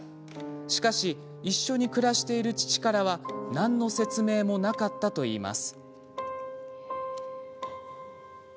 しかし一緒に暮らしている父からは何の説明もなかったといいます。